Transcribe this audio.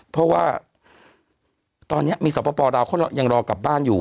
เพราะว่าตอนนี้มีสปลาวเขายังรอกลับบ้านอยู่